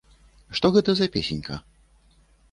Што гэта за песенька?